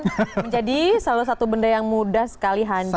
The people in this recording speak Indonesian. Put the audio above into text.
menjadi salah satu benda yang mudah sekali hancur